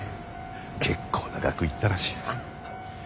結構な額いったらしいっす。